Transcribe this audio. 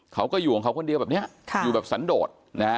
เขาก็อยู่ของเขาคนเดียวแบบนี้อยู่แบบสันโดดนะฮะ